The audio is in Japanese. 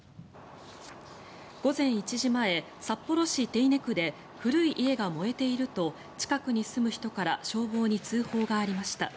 午前１時前、札幌市手稲区で古い家が燃えていると近くに住む人から消防に通報がありました。